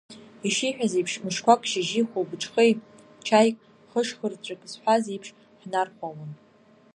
Ишиҳәаз еиԥш, мышқәак шьыжьи хәлбыҽхеи чаик, хышхырҵәык зҳәаз иеиԥш, ҳнархәалон.